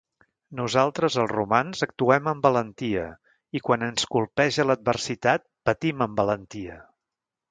Nosaltres, els romans, actuem amb valentia i, quan ens colpeja l'adversitat, patim amb valentia.